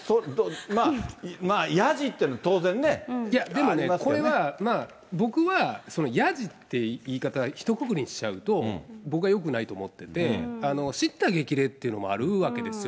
まあ、ヤジっていうのは、でもこれは、僕はそのやじって言い方は、ひとくくりにしちゃうと僕はよくないと思ってて、叱咤激励っていうのもあるわけですよ。